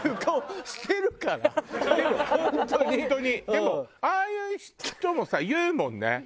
でもああいう人もさ言うもんね。